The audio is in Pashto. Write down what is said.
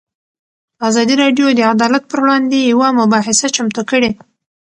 ازادي راډیو د عدالت پر وړاندې یوه مباحثه چمتو کړې.